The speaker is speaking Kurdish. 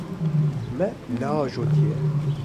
Me neajotiye.